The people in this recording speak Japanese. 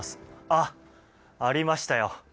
あっ、ありましたよ。